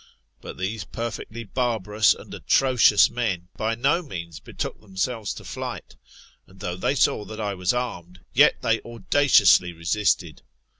But these perfectly barbarous and atrocious men by no means betook themselves to flight ; and though they saw that I was armed, yet they audaciously resisted.